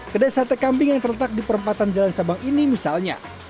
kedai sate kambing yang terletak di perempatan jalan sabang ini misalnya